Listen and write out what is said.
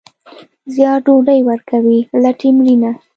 زیار ډوډۍ ورکوي، لټي مړینه.